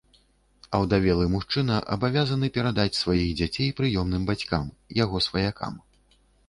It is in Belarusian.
Аўдавелы мужчына абавязаны перадаць сваіх дзяцей прыёмным бацькам, яго сваякам.